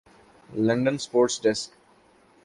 London sports ڈیسکا